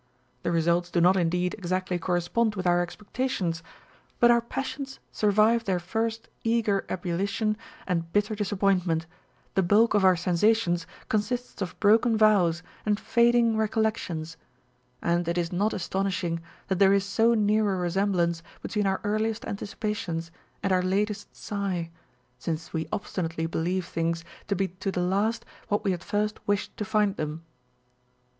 The results do not indeed exactly correspond with our expectations ; but our passions survive their first eager ebullition and bitter disaj>pomtment, the bulk of our sensations consists of broken vows and fading recol On Novelty and Familiarity. 425 lections ; and it is not astonishing that there is so near a resemblance between our earliest anticipations and our latest sigh, since we obstinately believe things to be to the last what we at first wished to find them.